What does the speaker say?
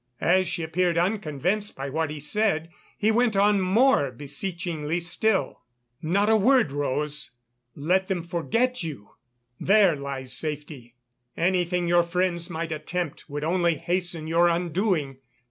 As she appeared unconvinced by what he said, he went on more beseechingly still: "Not a word, Rose, let them forget you; there lies safety. Anything your friends might attempt would only hasten your undoing.